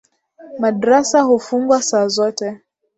Madrasa hufungwa saa zote